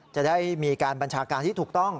จะได้มีการบัญชาการที่ถูกต้อง